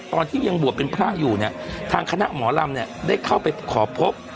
ตอนที่ยังบวชเป็นพระอยู่เนี่ยทางคณะหมอลำเนี่ยได้เข้าไปขอพบ